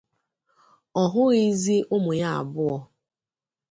ọ hụghịzị ụmụ ya abụọ